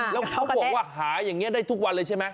แล้วเขาบอกว่าหาอย่างนี้ได้ทุกวันเลยใช่ไหม